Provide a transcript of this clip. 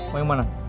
mau yang mana